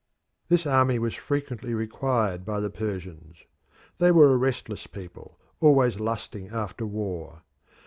This army was frequently required by the Persians. They were a restless people, always lusting after war.